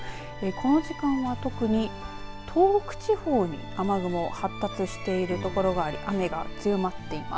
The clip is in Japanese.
この時間は特に東北地方に雨雲発達しているところがあり雨が強まっています。